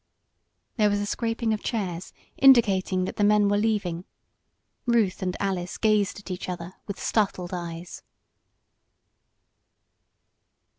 There was a scraping of chairs, indicating that the men were leaving. Ruth and Alice gazed at each other with startled eyes.